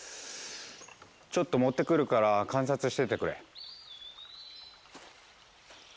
ちょっと持ってくるから観察しててくれ。